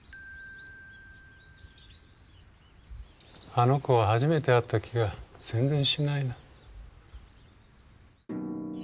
あの子は初めて会った気が全然しないな。